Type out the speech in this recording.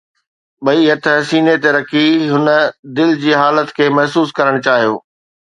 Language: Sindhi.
ٻئي هٿ سيني تي رکي هن دل جي حالت کي محسوس ڪرڻ چاهيو